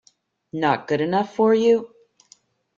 Not good enough for you?